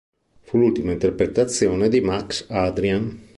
Fu l'ultima interpretazione di Max Adrian.